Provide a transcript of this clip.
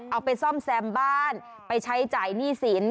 เอาไปซ่อมแซมบ้านไปใช้จ่ายหนี้สิน